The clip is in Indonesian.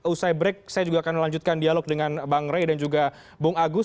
usai break saya juga akan melanjutkan dialog dengan bang rey dan juga bung agus